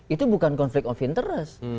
itu bukan konflik of interest